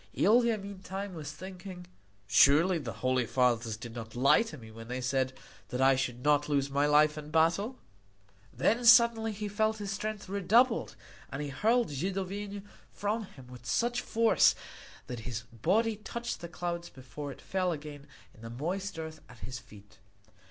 Ilia meantime was thinking, "Surely the holy fathers did not lie to me when they said that I should not lose my life in battle." Then suddenly he felt his strength redoubled, and he hurled Zidovin from him with such force that his body touched the clouds before it fell again in the moist earth at his feet.